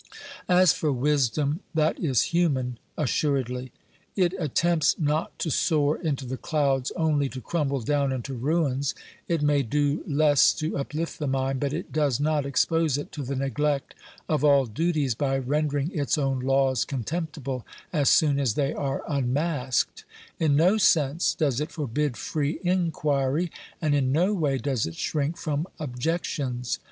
As for wisdom, that is human assuredly ; it attempts not to soar into the clouds only to crumble down into ruins ; it may do less to uplift the mind, but it does not expose it to the neglect of all duties by rendering its own laws con temptible as soon as they are unmasked ; in no sense does it forbid free inquiry, and in no way does it shrink from objections.